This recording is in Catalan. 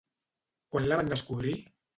Quan la van descobrir?